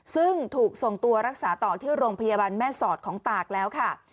ซึ่งถูกส่งตัวรักษาต่อที่โรงพยาบาลแม่สอดของตากแล้วค่ะ